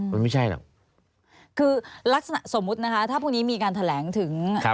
มันไม่ใช่หรอกสมมตินะคะถ้าพรุ่งนี้มีการแถลงถึง